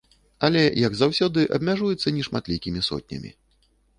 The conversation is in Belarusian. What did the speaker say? Але, як заўсёды, абмяжуецца нешматлікімі сотнямі.